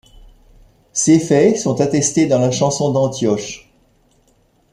Ces faits sont attestés dans la Chanson d'Antioche.